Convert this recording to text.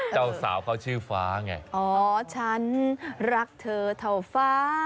เจ้าสาวเขาชื่อฟ้าไงอ๋อฉันรักเธอเท่าฟ้า